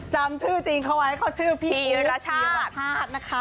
จำชื่อจริงเขาไว้เขาชื่อพี่อุ๊ดพีรชาติ